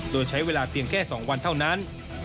โดยใช้เวลาเพียงแค่๒วันเท่านั้น